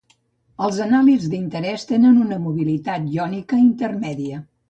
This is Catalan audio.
Els anàlits d'interès tenen una mobilitat iònica intermèdia.